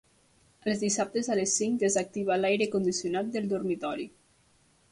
Els dissabtes a les cinc desactiva l'aire condicionat del dormitori.